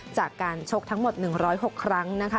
จากการชกทั้งหมด๑๐๖ครั้งนะคะ